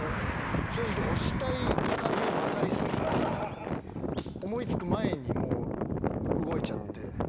正直押したい感じが勝りすぎて思いつく前にもう動いちゃって。